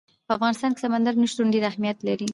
په افغانستان کې سمندر نه شتون ډېر اهمیت لري.